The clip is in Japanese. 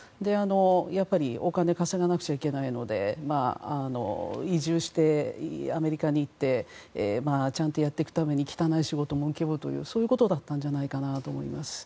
やっぱりお金を稼がなくちゃいけないので移住して、アメリカに行ってちゃんとやっていくために汚い仕事も請け負うということだったんじゃないかと思います。